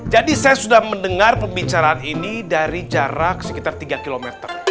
jadi saya sudah mendengar pembicaraan ini dari jarak sekitar tiga km